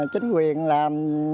chính quyền làm